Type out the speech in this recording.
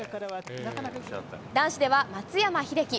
男子では松山英樹。